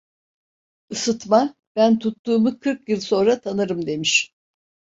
Isıtma "ben tuttuğumu kırk yıl sonra tanırım" demiş.